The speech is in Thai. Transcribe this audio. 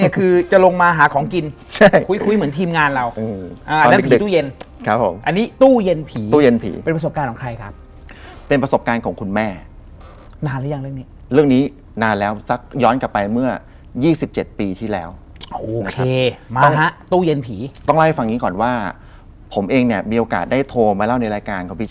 คือไม่ว่าจะเลี้ยงพระกี่รอบ